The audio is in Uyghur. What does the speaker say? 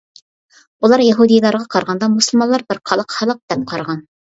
ئۇلار يەھۇدىيلارغا قارىغاندا مۇسۇلمانلار بىر قالاق خەلق، دەپ قارىغان.